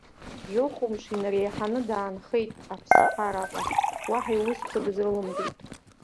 Жәохәымш инареиҳаны даанхеит аԥсҳа араҟа, уаҳа иусқәа дызрылымгеит.